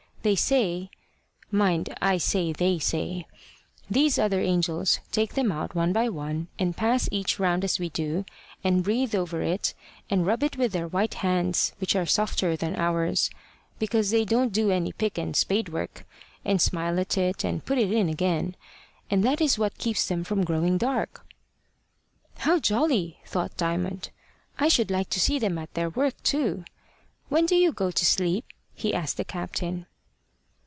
They say mind, I say they say these other angels take them out one by one, and pass each round as we do, and breathe over it, and rub it with their white hands, which are softer than ours, because they don't do any pick and spade work, and smile at it, and put it in again: and that is what keeps them from growing dark." "How jolly!" thought Diamond. "I should like to see them at their work too. When do you go to sleep?" he asked the captain.